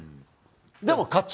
でも勝つ。